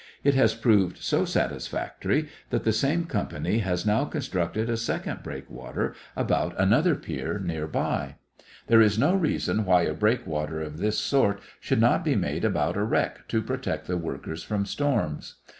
It has proved so satisfactory that the same company has now constructed a second breakwater about another pier near by. There is no reason why a breakwater of this sort should not be made about a wreck to protect the workers from storms.